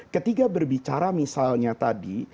ketika berbicara misalnya tadi